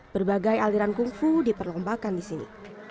berbagai aliran kungfu diperlombakan di sini